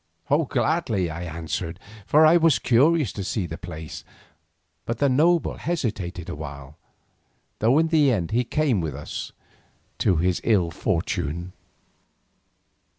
"Gladly," I answered, for I was curious to see the place, but the noble hesitated awhile, though in the end he came with us, to his ill fortune.